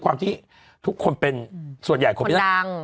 ความที่ทุกคนเป็นส่วนใหญ่คนดัง